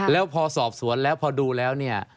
แล้วพอสอบสวนแล้วพอดูแล้วเนี่ย